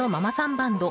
バンド。